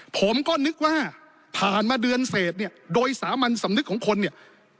ผมก็นึกว่าผ่านมาเดือนเสร็จเนี่ยโดยสามัญสำนึกของคนเนี่ย